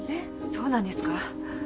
そうなんですか。